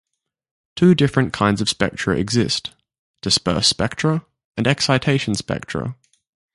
Two different kinds of spectra exist, disperse spectra and excitation spectra.